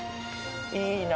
いいな。